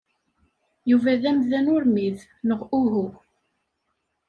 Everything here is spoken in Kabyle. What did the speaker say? Yuba d amdan urmid neɣ uhu?